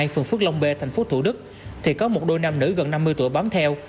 phường phước long b tp thủ đức thì có một đôi nam nữ gần năm mươi tuổi bám theo